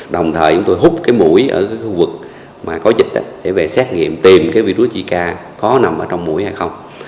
đồng thời chúng tôi hút mũi ở khu vực có dịch để về xét nghiệm tìm virus zika có nằm trong mũi hay không